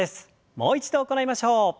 もう一度行いましょう。